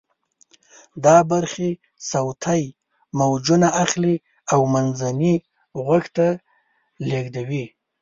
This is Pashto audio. دا برخې صوتی موجونه اخلي او منځني غوږ ته لیږدوي.